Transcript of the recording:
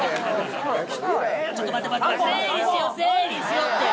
ちょっと待って待って。